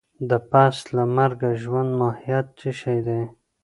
د پس له مرګه ژوند ماهيت څه شی دی؟